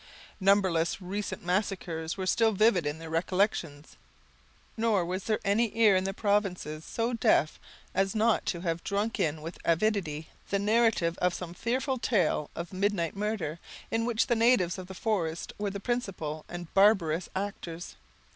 Numberless recent massacres were still vivid in their recollections; nor was there any ear in the provinces so deaf as not to have drunk in with avidity the narrative of some fearful tale of midnight murder, in which the natives of the forests were the principal and barbarous actors.